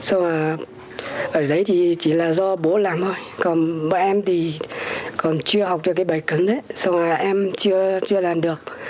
ở đấy chỉ là do bố làm thôi bọn em còn chưa học được bài cấn em chưa làm được